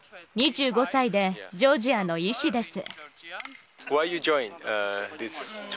２５歳で、ジョージアの医師です。